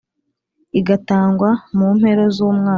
Igatangwa mu mpero z umwaka